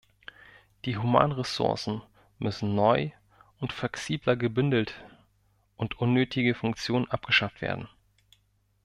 Die Humanressourcen müssen neu und flexibler gebündelt und unnötige Funktionen abgeschafft werden.